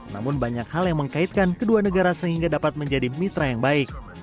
namun banyak hal yang mengkaitkan kedua negara sehingga dapat menjadi mitra yang baik